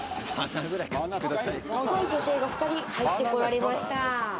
若い女性が２人、入ってこられました。